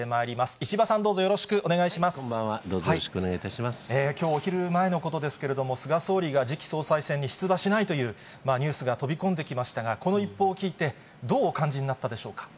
石破さん、どうぞよろしくお願いこんばんは、どうぞよろしくきょうお昼前のことですけれども、菅総理が次期総裁選に出馬しないというニュースが飛び込んできましたが、この一報を聞いて、どうお感じになったでしょうか。